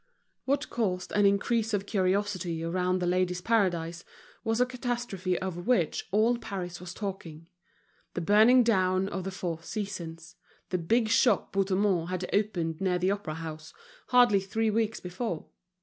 What caused an increase of curiosity around The Ladies' Paradise was a catastrophe of which all Paris was talking, the burning down of The Four Seasons, the big shop Bouthemont had opened near the Opera house, hardly three weeks before.